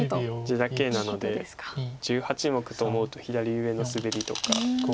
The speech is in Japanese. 地だけなので１８目と思うと左上のスベリとか。